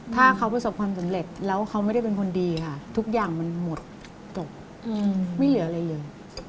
ถ้าเขาประสบความสำเร็จแล้วเขาไม่ได้เป็นคนดีค่ะทุกอย่างมันหมดจบไม่เหลืออะไรเลย